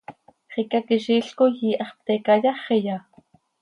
¿Xicaquiziil coi iihax pte cayáxiya?